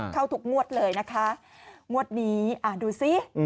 เข้าทุกงวดเลยนะคะงวดนี้ดูสิ